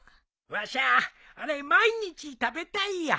わしゃあれ毎日食べたいよ。